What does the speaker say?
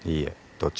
どっち？